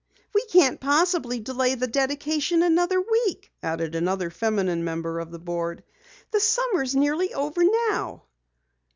"We can't possibly delay the dedication another week," added another feminine member of the board. "The summer is nearly over now."